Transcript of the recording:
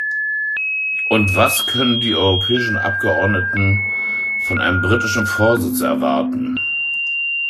Und was können die europäischen Abgeordneten von einem britischen Vorsitz erwarten?